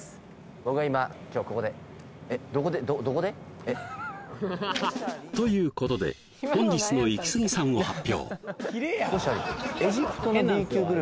僕は今今日ここでということで本日のイキスギさんを発表